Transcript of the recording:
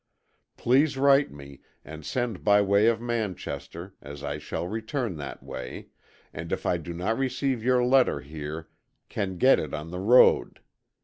Please write me and send by way of Manchester, as I shall return that way, and if I do not receive your letter here, can get it on the road.